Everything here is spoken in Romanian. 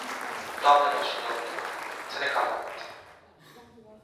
Doamnelor și domnilor, să ne calmăm puțin.